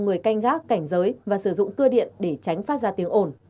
người canh gác cảnh giới và sử dụng cơ điện để tránh phát ra tiếng ổn